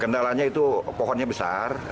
kendalanya itu pohonnya besar